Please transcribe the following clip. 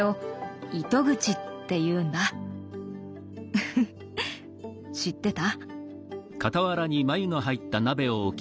フフッ知ってた？